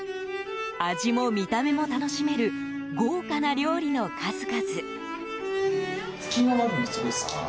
味も見た目も楽しめる豪華な料理の数々。